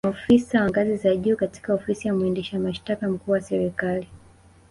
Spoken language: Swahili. Maofisa wa ngazi za juu katika Ofisi ya mwendesha mashitaka mkuu wa Serikali